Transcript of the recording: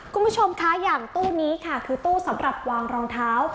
คุณผู้ชมคะอย่างตู้นี้ค่ะคือตู้สำหรับวางรองเท้า